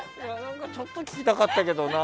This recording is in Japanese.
ちょっと聞きたかったけどな。